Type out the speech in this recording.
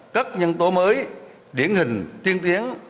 các nhân tố mới điển hình tiên tiến